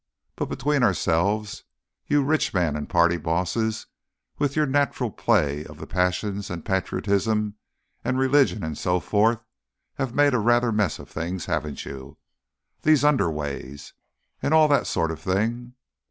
But, between ourselves, you rich men and party bosses, with your natural play of the passions and patriotism and religion and so forth, have made rather a mess of things; haven't you? These Underways! And all that sort of thing.